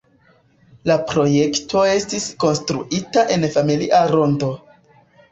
La projekto estis konstruita en familia rondo.